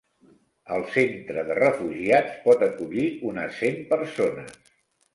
El centre de refugiats pot acollir unes cent persones.